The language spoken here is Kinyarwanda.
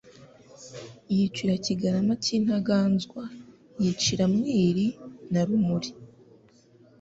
Yicira Kigarama cy' Intaganzwa yicira mwiri na rumuri